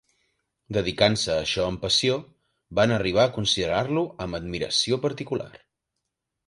Dedicant-se a això amb passió, van arribar a considerar-lo amb admiració particular.